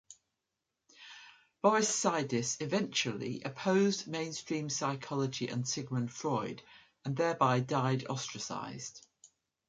Boris Sidis eventually opposed mainstream psychology and Sigmund Freud, and thereby died ostracized.